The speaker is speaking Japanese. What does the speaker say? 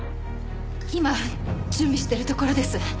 今準備しているところです。